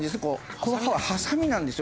この歯はハサミなんですよ